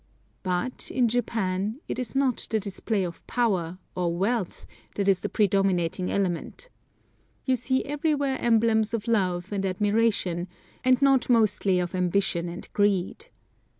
But, in Japan, it is not the display of power, or wealth, that is the predominating element. You see everywhere emblems of love and admiration, and not mostly of ambition and greed.